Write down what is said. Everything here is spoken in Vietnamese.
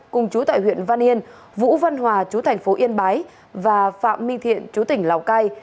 cùng chú tại huyện văn yên vũ văn hòa chú thành phố yên bái và phạm minh thiện chú tỉnh lào cai